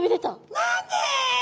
「何で？」。